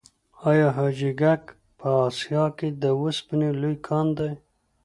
آیا حاجي ګک په اسیا کې د وسپنې لوی کان دی؟